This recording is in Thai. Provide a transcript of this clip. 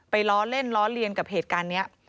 ล้อเล่นล้อเลียนกับเหตุการณ์นี้